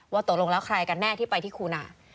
ตกลงแล้วใครกันแน่ที่ไปที่คูนา